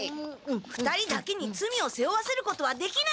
２人だけにつみをせおわせることはできない。